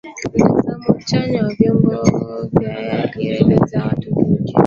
mtazamo chanya na vyama vya siasa akielezewa kama mtu aliyeweka jukwaa la